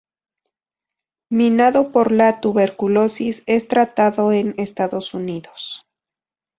Minado por la tuberculosis es tratado en Estados Unidos.